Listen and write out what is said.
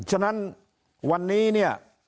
ฉะนั้นวันนี้เนี่ย